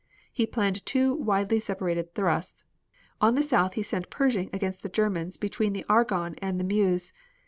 He planned two widely separated thrusts. On the south he sent Pershing against the Germans between the Argonne and the Meuse.